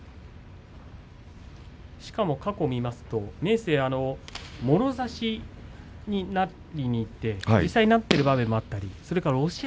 過去を見ますと明生、もろ差しになりにいって実際になってる場面もありました。